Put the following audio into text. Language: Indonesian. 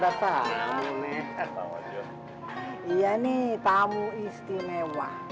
lebih kuat lebih ke relog